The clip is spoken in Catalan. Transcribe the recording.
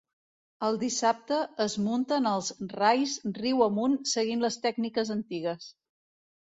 El dissabte es munten els rais riu amunt seguint les tècniques antigues.